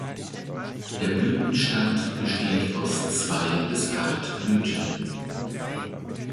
Der Blütenstand besteht aus zwei bis acht Blüten.